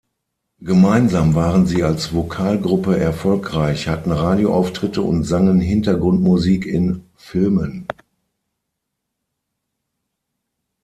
Gemeinsam waren sie als Vokalgruppe erfolgreich, hatten Radioauftritte und sangen Hintergrundmusik in Filmen.